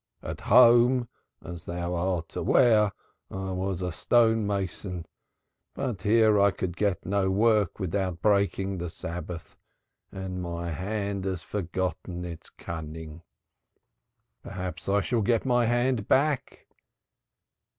"At home, as thou art aware, I was a stone mason, but here I could get no work without breaking the Sabbath, and my hand has forgotten its cunning. Perhaps I shall get my hand back."